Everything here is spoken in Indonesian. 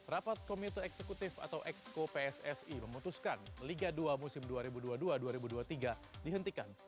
rapat komite eksekutif atau exco pssi memutuskan liga dua musim dua ribu dua puluh dua dua ribu dua puluh tiga dihentikan